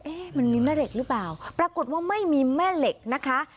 มันมีแม่เหล็กหรือเปล่าปรากฏว่าไม่มีแม่เหล็กนะคะ